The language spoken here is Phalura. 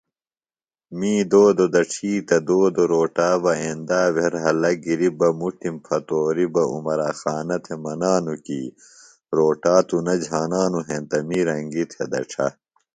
می دودوۡ دڇھی تہ دودوۡ روٹا بہ اندا بھےۡ رھلہ گِریۡ بہ مُٹِم پھتوریۡ بہ عُمرا خانہ تھےۡ منانوۡ کیۡ روٹا توۡ نہ جھانانوۡ ہینتہ می رنگیۡ تھےۡ دڇھہ